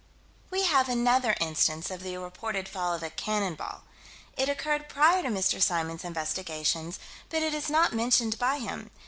We have another instance of the reported fall of a "cannon ball." It occurred prior to Mr. Symons' investigations, but is not mentioned by him.